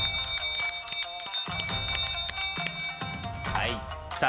はいさあ